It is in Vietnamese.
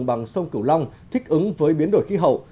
bằng sông cửu long thích ứng với biến đổi khí hậu